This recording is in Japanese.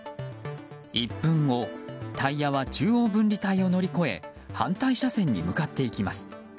１分後、タイヤは中央分離帯を乗り越え反対車線に向かっていきます。